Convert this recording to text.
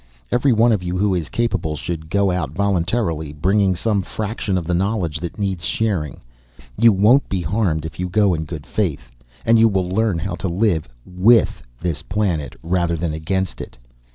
Every one of you who is capable should go out voluntarily, bringing some fraction of the knowledge that needs sharing. You won't be harmed if you go in good faith. And you will learn how to live with this planet, rather than against it.